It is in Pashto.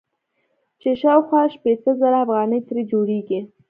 چې شاوخوا شپېته زره افغانۍ ترې جوړيږي.